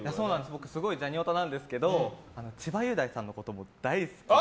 僕すごいジャニオタなんですけど千葉雄大さんのことも大好きで。